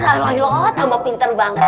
ajaran lo tambah pinter banget